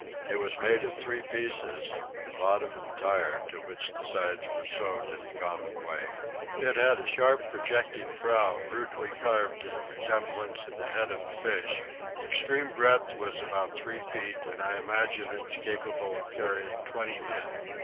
It was made of three pieces, the bottom entire, to which the sides were sewed in the common way. It had a sharp projecting prow rudely carved in resemblance of the head of a fish; the extreme breadth was about three feet and I imagine it was capable of carrying 20 men.